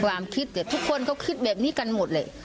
ความคิดแต่ทุกคนเขาคิดแบบนี้กันหมดแหละ